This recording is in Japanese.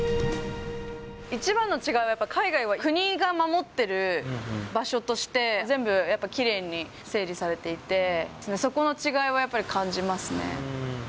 一番の違いはやっぱ、海外は国が守ってる場所として、全部やっぱきれいに整理されていて、そこの違いはやっぱり感じますね。